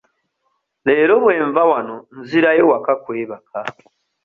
Leero bwe nva wano nzirayo waka kwebaka.